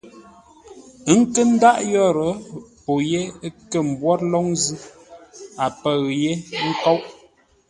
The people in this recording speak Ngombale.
Ə́ nkə́ ndáʼ yórə́, pô yé kə̂ mbwór lóŋ zʉ́, a pə̂ʉ yé nkóʼ.